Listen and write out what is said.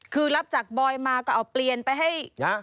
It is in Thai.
คือรับจากบอยมาก็เอาเปลี่ยนไปให้